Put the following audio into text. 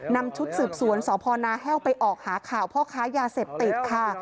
นำชุดสืบสวนสพนแห้วไปออกหาข่าวพ่อค้ายาเสพติดค่ะ